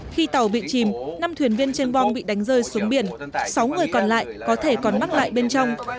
khi tàu bị chìm năm thuyền viên trên bong bị đánh rơi xuống biển sáu người còn lại có thể còn mắc lại bên trong